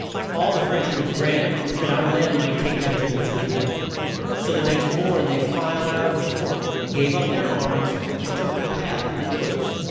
All the French would grant was that our men might take their tools with them; so the next morn they filed out of the fort, gave up their arms, and took the path to the woods.